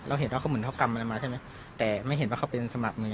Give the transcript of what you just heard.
เห็นว่าเขาเหมือนเขากำอะไรมาใช่ไหมแต่ไม่เห็นว่าเขาเป็นสมัครมือ